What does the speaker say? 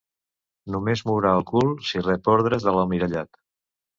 Només mourà el cul si rep ordres de l'almirallat.